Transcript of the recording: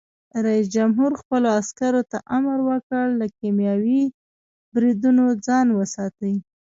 رئیس جمهور خپلو عسکرو ته امر وکړ؛ له کیمیاوي بریدونو ځان وساتئ!